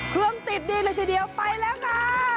เครื่องติดดีเลยทีเดียวไปแล้วค่ะ